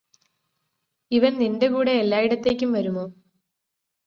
ഇവന് നിന്റെ കൂടെ എല്ലായിടത്തേക്കും വരുമോ